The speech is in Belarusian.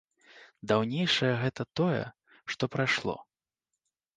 Даўнейшае гэта тое, што прайшло.